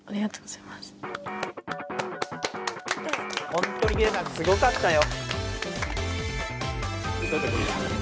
本当にギュナイさんすごかったよ。